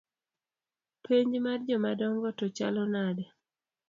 Penj mar jomadongo to chalo nade?